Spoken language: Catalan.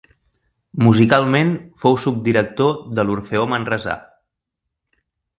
Musicalment fou subdirector de l'Orfeó Manresà.